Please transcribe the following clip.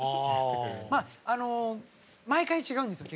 まあ毎回違うんですよ